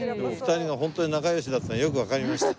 ２人がホントに仲良しだってのがよくわかりました。